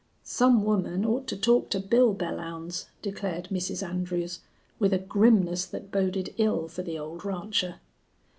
"Some woman ought to talk to Bill Belllounds," declared Mrs. Andrews with a grimness that boded ill for the old rancher.